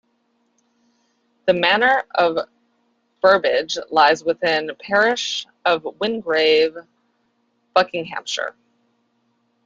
The Manor of Burbage lies within the Parish of Wingrave, Buckinghamshire.